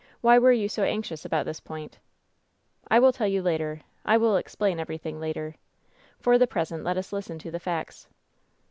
Why were you bo anxious about this point ?" "I will tell you later. I will explain everything later. For the present let us listen to the facts."